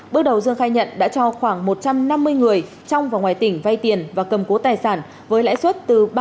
bước đầu dương khai nhận đã cho khoảng một trăm năm mươi người trong và ngoài tỉnh vay tiền và cầm cố tài sản với lãi suất từ ba sáu đồng một triệu mỗi ngày